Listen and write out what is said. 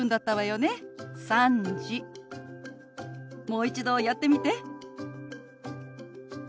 もう一度やってみて。